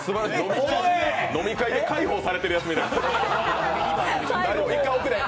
飲み会で介抱されてるやつみたい。